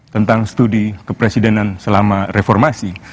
tentang studi kepresidenan selama reformasi